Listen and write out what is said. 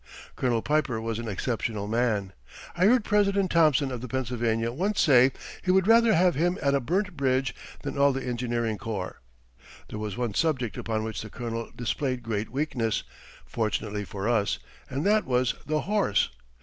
Colonel Piper was an exceptional man. I heard President Thomson of the Pennsylvania once say he would rather have him at a burnt bridge than all the engineering corps. There was one subject upon which the Colonel displayed great weakness (fortunately for us) and that was the horse.